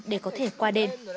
để có thể qua đêm